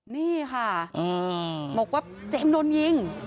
นี่ค่ะบอกว่าเจมส์โดนยิง